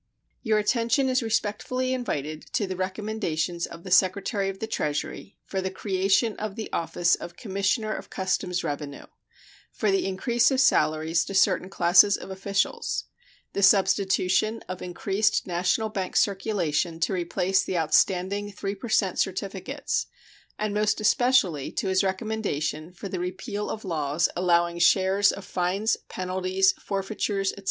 Your attention is respectfully invited to the recommendations of the Secretary of the Treasury for the creation of the office of commissioner of customs revenue; for the increase of salaries to certain classes of officials; the substitution of increased national bank circulation to replace the outstanding 3 per cent certificates; and most especially to his recommendation for the repeal of laws allowing shares of fines, penalties, forfeitures, etc.